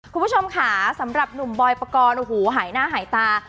คุณผู้ชมค่ะสำหรับหนุ่มบอยปกรณ์โอ้โหหายหน้าหายตา